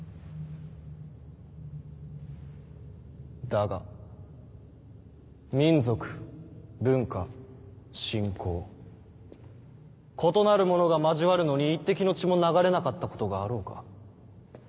だが民族文化信仰異なるものが交わるのに一滴の血も流れなかったことがあろうか。